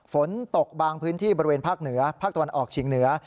ฝนตกบางพื้นที่บริเวณภาคเหนือภาคตะวันออกเฉียงเหนือ